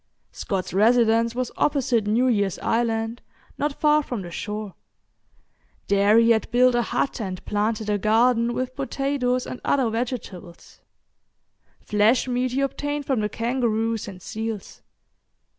Scott's residence was opposite New Year's Island not far from the shore; there he had built a hut and planted a garden with potatoes and other vegetables. Flesh meat he obtained from the kangaroos and seals.